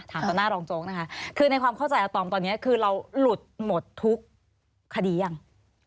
ต่อหน้ารองโจ๊กนะคะคือในความเข้าใจอาตอมตอนนี้คือเราหลุดหมดทุกคดียัง